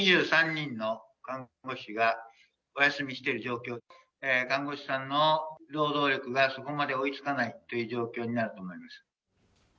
２３人の看護師がお休みしてる看護師さんの労働力がそこまで追いつかないという状況になると思います。